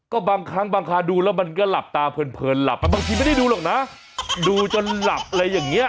ก็บางครั้งบางคาดูแล้วมันก็หลับตาเพลินหลับบางทีไม่ได้ดูหรอกนะดูจนหลับอะไรอย่างนี้